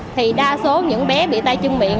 thì đa số những bé bị tay chân miệng